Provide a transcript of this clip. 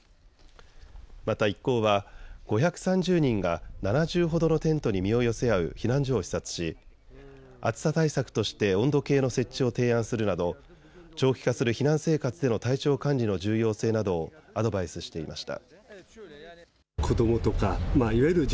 また一行は５３０人が７０ほどのテントに身を寄せ合う避難所を視察し暑さ対策として温度計の設置を提案するなど長期化する避難生活での体調管理の重要性などをアドバイスしていました。